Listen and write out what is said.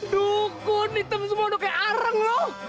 dukun hitam semuanya kayak areng loh